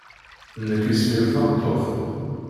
Nekk isem-iw tameṭṭut.